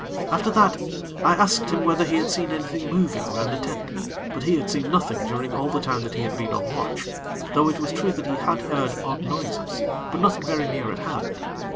After that, I asked him whether he had seen anything moving round the tent; but he had seen nothing during all the time that he had been on watch; though it was true that he had heard odd noises; but nothing very near at hand.